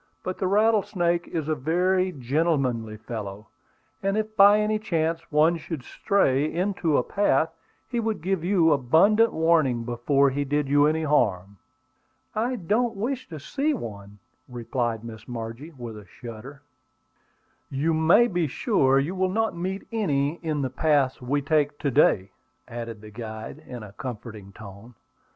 But the rattlesnake is a very gentlemanly fellow; and if by any chance one should stray into a path, he would give you abundant warning before he did you any harm." "I don't wish to see one," replied Miss Margie, with a shudder. "You may be sure you will not meet any in the paths we take to day," added the guide in a comforting tone.